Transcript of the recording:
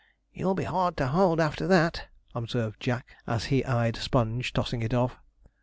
'You'll be hard to hold after that,' observed Jack, as he eyed Sponge tossing it off.